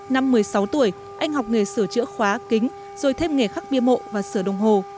năm một mươi sáu tuổi anh học nghề sửa chữa khóa kính rồi thêm nghề khắc bia mộ và sửa đồng hồ